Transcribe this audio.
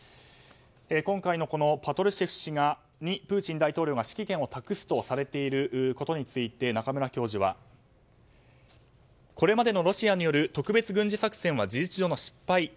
今回のパトルシェフ氏にプーチン大統領が指揮権を託すとされていることについて中村教授はこれまでのロシアによる特別軍事作戦は事実上の失敗。